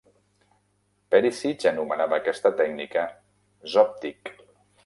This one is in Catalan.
Perisic anomenava aquesta tècnica "Zoptic".